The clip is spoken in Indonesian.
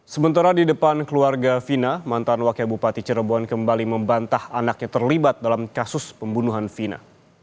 sementara di depan keluarga vina mantan wakil bupati cirebon kembali membantah anaknya terlibat dalam kasus pembunuhan vina